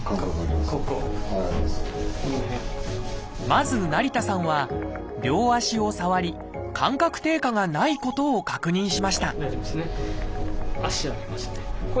まず成田さんは両足を触り感覚低下がないことを確認しました